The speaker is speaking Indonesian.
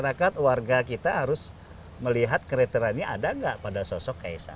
masyarakat warga kita harus melihat kriteriannya ada nggak pada sosok kaisar